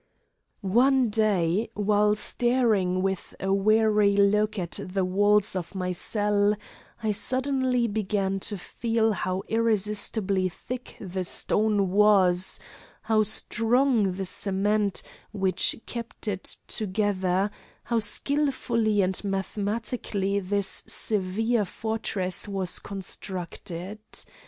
One day, while staring with a weary look at the walls of my cell, I suddenly began to feel how irresistibly thick the stone was, how strong the cement which kept it together, how skilfully and mathematically this severe fortress was constructed.